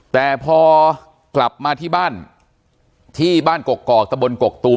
แต่พอกลับมาที่บ้านที่บ้านกกอกตะบนกกตูม